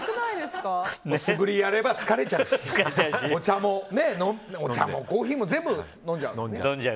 素振りやれば疲れちゃうしお茶もコーヒーも全部飲んじゃうし。